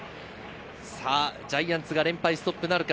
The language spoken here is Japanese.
ジャイアンツが連敗ストップなるか。